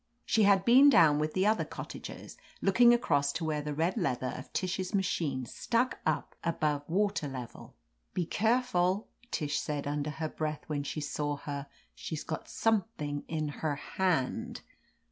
She had been down with the other cottagers, looking across to where the red leather of Tish's ma chine stuck up above water level. "Be careful," Tish said under her breath when she saw her ; "she's got something' in her hand